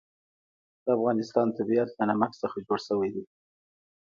د افغانستان طبیعت له نمک څخه جوړ شوی دی.